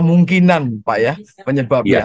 kemungkinan pak ya penyebabnya